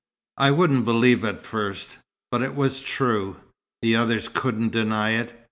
I wouldn't believe at first, but it was true the others couldn't deny it.